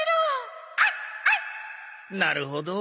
なるほど。